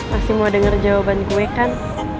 pasti mau denger jawaban gue kan